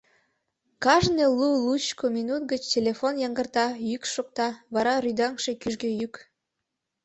Кажне лу-лучко минут гыч телефон йыҥгыртата, йӱк шокта, вара рӱдаҥше кӱжгӧ йӱк...